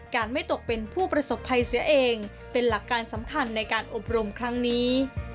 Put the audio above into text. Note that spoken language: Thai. ไม่ตกเป็นผู้ประสบภัยเสียเองเป็นหลักการสำคัญในการอบรมครั้งนี้